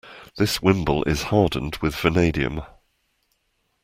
This wimble is hardened with vanadium.